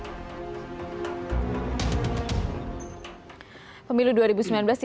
pemilu dua ribu sembilan belas tidak ada yang mencari pilihan politik dan mencari hak asasi